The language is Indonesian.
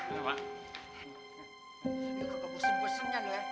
ya kok gusung gusungnya lo ya